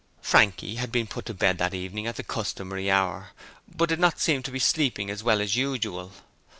Frankie had been put to bed that evening at the customary hour, but did not seem to be sleeping as well as usual.